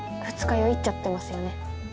二日酔いっちゃってますよね？